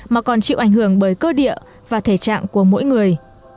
mà còn chịu ảnh hưởng bởi cơ địa và thể trạng của mỗi người